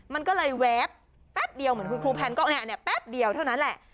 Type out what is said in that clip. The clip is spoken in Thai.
มันก็เลยแว๊บแป๊บเดียวเหมือนคุณครูแพนก็เนี่ยแป๊บเดียวเท่านั้นแหละ